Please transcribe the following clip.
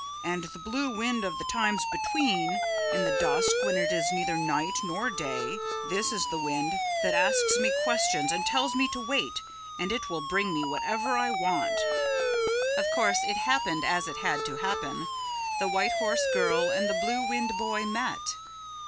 And the blue wind of the times between, in the dusk when it is neither night nor day, this is the wind that asks me questions and tells me to wait and it will bring me whatever I want." Of course, it happened as it had to happen, the White Horse Girl and the Blue Wind Boy met.